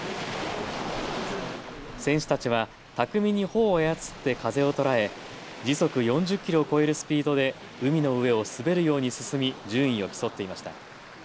選手たちは巧みに帆を操って風を捉え時速４０キロを超えるスピードで海の上を滑るように進み順位を競っていました。